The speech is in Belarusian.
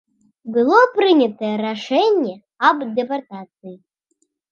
Было прынятае рашэнне аб дэпартацыі.